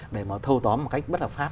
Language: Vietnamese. để mà thâu tóm một cách bất hợp pháp